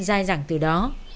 dài dẳng từ đó